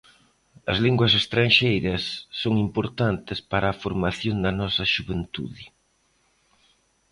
As linguas estranxeiras son importantes para a formación da nosa xuventude.